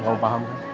kamu paham kan